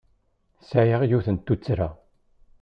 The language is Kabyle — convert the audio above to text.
Sɛiɣ yiwet n tuttra.